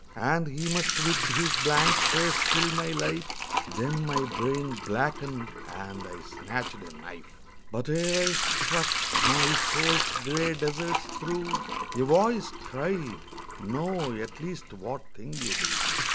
And he must with his blank face fill my life Then my brain blackened; and I snatched a knife. But ere I struck, my soul's grey deserts through A voice cried, 'Know at least what thing you do.'